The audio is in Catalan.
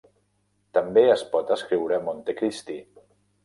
També es pot escriure Montecristi.